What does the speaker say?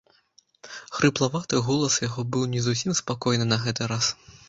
Хрыплаваты голас яго быў не зусім спакойны на гэты раз.